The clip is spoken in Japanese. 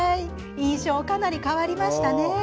印象、かなり変わりましたね。